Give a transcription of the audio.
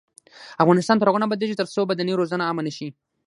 افغانستان تر هغو نه ابادیږي، ترڅو بدني روزنه عامه نشي.